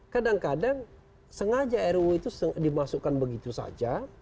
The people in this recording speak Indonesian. kadang kadang sengaja ruu itu dimasukkan begitu saja